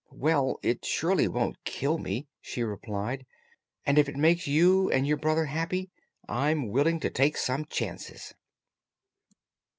"Well, it surely won't kill me," she replied; "and, if it makes you and your brother happy, I'm willing to take some chances."